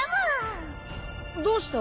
どうした？